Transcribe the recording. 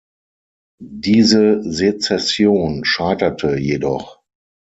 Diese Sezession scheiterte jedoch.